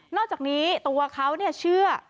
อกจากนี้ตัวเขาเชื่อ